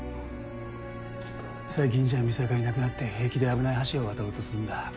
最近じゃ見境なくなって平気で危ない橋を渡ろうとするんだ。